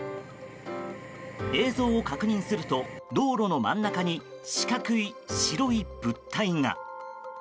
映像を確認すると道路の真ん中に四角い白い物体が。